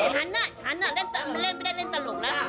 ฉันน่ะฉันเล่นไม่ได้เล่นตลกแล้ว